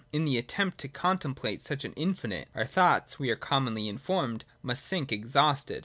In the attempt to contemplate such an in finite, our thought, we are commonly informed, must sink exhausted.